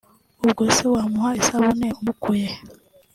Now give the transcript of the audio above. ubwo se wamuha isabune umukuye he